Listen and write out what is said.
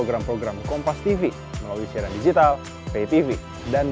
sampai jumpa di lain kesempatan